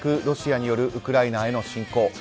ロシアによるウクライナへの侵攻。